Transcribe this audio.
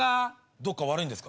どっか悪いんですか？